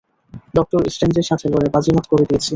Doctor স্ট্রেঞ্জের সাথে লড়ে বাজিমাত করে দিয়েছি!